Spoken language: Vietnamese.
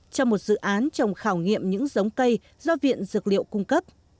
cho một dự án trồng khảo nghiệm những giống cây do viện dược liệu cung cấp